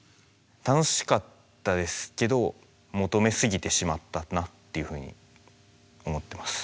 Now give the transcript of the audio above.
楽しかったですけど求めすぎてしまったなっていうふうに思ってます。